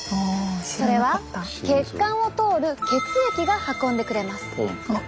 それは血管を通る血液が運んでくれます。